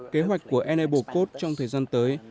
kế hoạch của enablecode trong thời gian tới